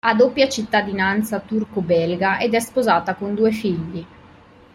Ha doppia cittadinanza turco-belga ed è sposata con due figli.